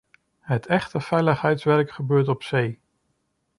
Het echte veiligheidswerk gebeurt op zee.